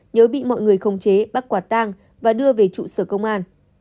nhớ bị mọi người khống chế bắt quạt tang và đưa về trụ sở công an